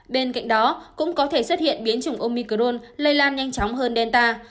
bên cạnh đó cũng có thể xuất hiện biến chủng omicron lây lan nhanh chóng hơn delta